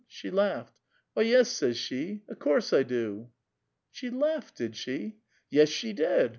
She laughed. 'Why, yes, says she, 'o' course I do.'" '' She laughed, did she?" "Yes, she did.